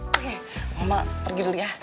oke mama pergi dulu ya